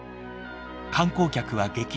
観光客は激減。